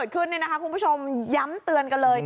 ขึ้นนี่นะคะคุณผู้ชมย้ำเตือนกันเลย